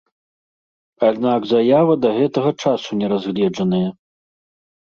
Аднак заява да гэтага часу не разгледжаная.